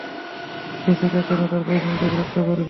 Jessica, কেন তোর বয়ফ্রেন্ডকে বিরক্ত করবি।